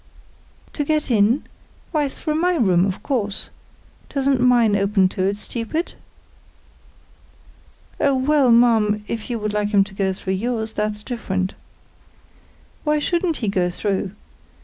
"To get in? Why, through my room, of course. Doesn't mine open to it, stupid?" "Oh, well, ma'am, if you would like him to go through yours, that's different." "Why shouldn't he go through?